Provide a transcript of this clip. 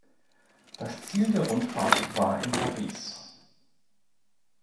Das Ziel der Rundfahrt war in Paris.